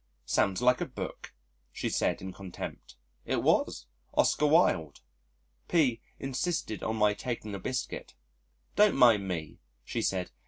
"Sounds like a book," She said in contempt. It was Oscar Wilde! P insisted on my taking a biscuit. "Don't mind me," she said.